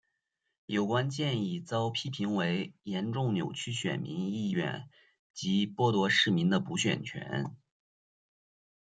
有关建议遭批评为严重扭曲选民意愿及剥夺市民的补选权。